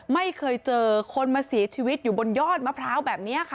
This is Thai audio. ไม่เคยเจอคนมาเสียชีวิตอยู่บนยอดมะพร้าวแบบนี้ค่ะ